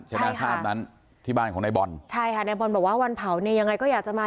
ภาพนั้นที่บ้านของนายบอลใช่ค่ะในบอลบอกว่าวันเผาเนี่ยยังไงก็อยากจะมา